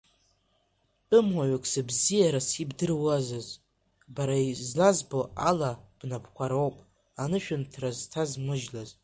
Тәымуаҩык, сыбзиарас ибдыруазыз бара, излазбо ала, бнапқуа роуп анышәынҭра сҭазмыжьлаз!